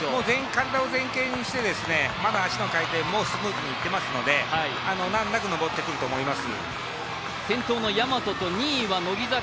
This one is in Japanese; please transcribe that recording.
体を前傾にして、まだ足の回転もスムーズにいっていますので難なく登ってくると思います。